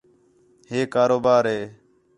ہِے کاروبار ہِے